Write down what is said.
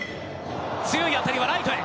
強い当たりはライトへ。